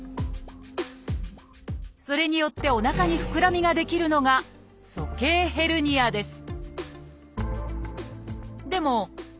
それによっておなかにふくらみが出来るのが「鼠径ヘルニア」です